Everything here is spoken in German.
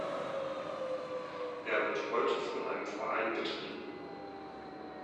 Er wird heute von einem Verein betrieben.